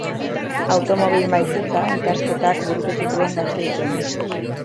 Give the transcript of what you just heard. Automobil-maisutza ikasketak burutu zituen Gasteizen.